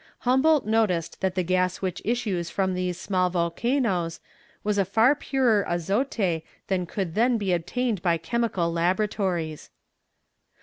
Humboldt noticed that the gas which issues from these small volcanoes was a far purer azote than could then be obtained by chemical laboratories.